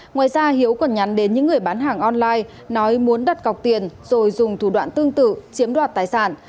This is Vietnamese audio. ngoài ra hiếu còn nhắn đến những người bán hàng online nói muốn đặt cọc tiền rồi dùng thủ đoạn tương tự chiếm đoạt tài sản